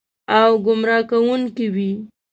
او ګمراه کوونکې وي.